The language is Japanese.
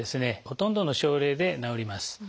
ほとんどの症例で治ります。